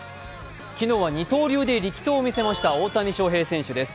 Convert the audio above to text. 昨日は二刀流で力投を見せました大谷翔平選手です。